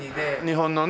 日本のね。